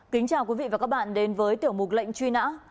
kính chào quý vị và các bạn đến với tiểu mục lệnh truy nã